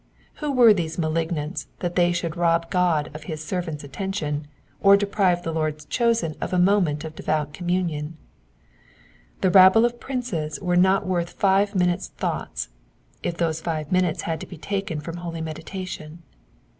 Who were these malignants that they should rob God of his servant's atten tion, or deprive the Lord's chosen of a moment's devout communion. The rabble of princes were not worth live minutes' thought, if those five minutes bad to be taken from holy meditation.